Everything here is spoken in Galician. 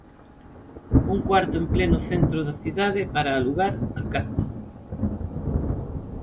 Un cuarto en pleno centro da cidade para alugar á carta.